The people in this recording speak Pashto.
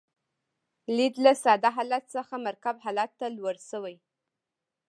لید له ساده حالت څخه مرکب حالت ته لوړ شوی.